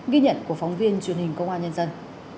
ghi nhận của phóng viên truyền hình công an nhân dân